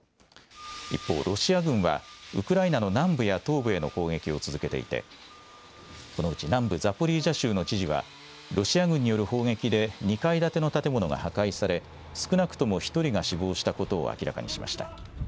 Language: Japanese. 一方、ロシア軍は、ウクライナの南部や東部への攻撃を続けていて、このうち南部ザポリージャ州の知事は、ロシア軍による砲撃で２階建ての建物が破壊され、少なくとも１人が死亡したことを明らかにしました。